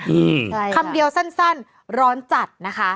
คำเดียวสั้นร้อนจัดนะคะ